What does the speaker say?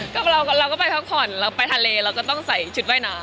เหนียวเราไปพักผ่อนเราไปทะเลเราถึงต้องใส่ชุดไหว้น้ำ